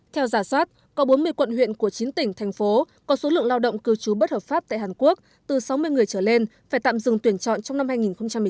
theo giả soát có bốn mươi quận huyện của chín tỉnh thành phố có số lượng lao động cư trú bất hợp pháp tại hàn quốc từ sáu mươi người trở lên phải tạm dừng tuyển chọn trong năm hai nghìn một mươi chín